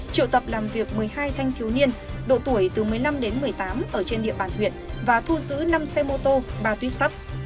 triệu tập làm việc một mươi hai thanh thiếu niên độ tuổi từ một mươi năm đến một mươi tám ở trên địa bàn huyện và thu giữ năm xe mô tô ba tuyếp sắt